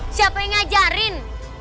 siapa yang ngajarin